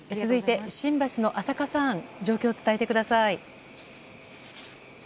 続いて、新橋の浅賀さん状況を伝えてください。